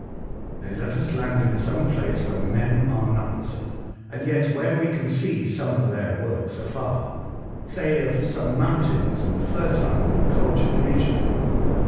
" Then let us land in some place where men are not, and yet where we can see some of their works afar — say on some mountains in a fertile and cultured region."